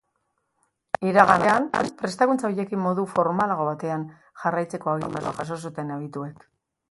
Iragan astean prestakuntza horiekin modu formalago batean jarraitzeko agindua jaso zuten adituek.